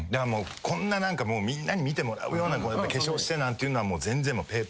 こんなみんなに見てもらうような化粧してなんていうのは全然ペーペーですよ。